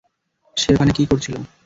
সে ওখানে কী করছিল?